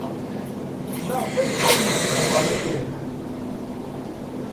Maɣef ay teqqimemt deg uxxam iḍelli?